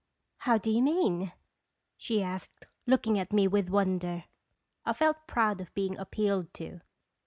"How do you mean?" she asked, looking at me with wonder. I felt proud of being appealed to.